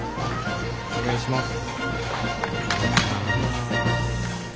お願いします。